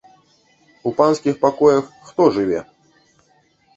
У панскіх пакоях хто жыве?